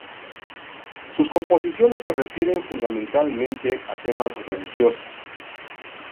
Sus composiciones se refieren fundamentalmente a temas religiosos.